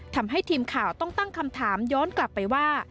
ทำให้ทีมข่าวต้องตั้งคำถามย้อนกลับไปว่า